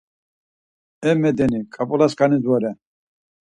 Emedeni ǩap̌ulaskanis vore.